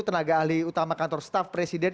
tenaga ahli utama kantor staff presiden